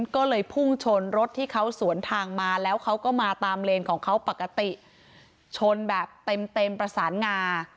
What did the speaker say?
ก็เลยพุ่งชนรถที่เขาสวนทางมาแล้วเขาก็มาตามเลนของเขาปกติชนแบบเต็มเต็มประสานงา